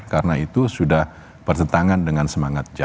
karena itu sudah pertentangan dengan semangat jahat